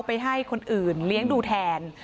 ไปให้คนอื่นเลี้ยงดูแทน